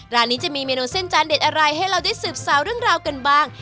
ร้านนี้จะมีเมนูเส้นจานเด็ดอะไรให้เราได้สืบสาวเรื่องราวกันบ้าง